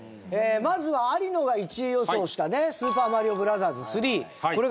まずは、有野が１位予想したね『スーパーマリオブラザーズ３』これが１０位。